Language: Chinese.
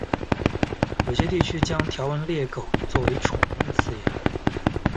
有些地区将条纹鬣狗作为宠物饲养。